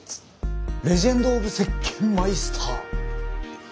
レジェンドオブ石鹸マイスター！